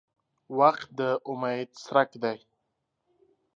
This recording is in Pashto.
• وخت د امید څرک دی.